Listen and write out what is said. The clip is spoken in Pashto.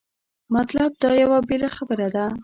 مطلب دا یوه بېله خبره ده.